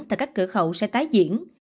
tại các cửa khẩu xe tái diễn